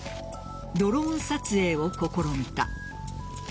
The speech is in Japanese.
ドローン撮影を試みた。